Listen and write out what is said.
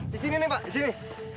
di sini nih pak di sini